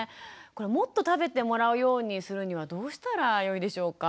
もっと食べてもらうようにするにはどうしたらよいでしょうか？